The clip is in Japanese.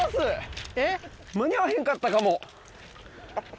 間に合わへんかったかも。